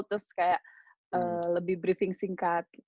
terus kayak lebih briefing singkat